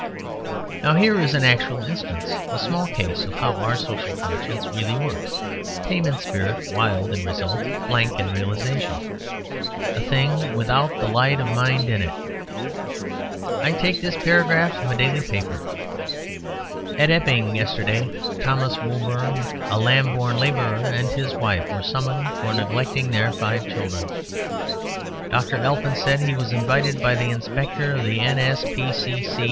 Now here is an actual instance, a small case of how our social conscience really works: tame in spirit, wild in result, blank in realisation; a thing without the light of mind in it. I take this paragraph from a daily paper: "At Epping, yesterday, Thomas Woolbourne, a Lambourne labourer, and his wife were summoned for neglecting their five children. Dr. Alpin said he was invited by the inspector of the N.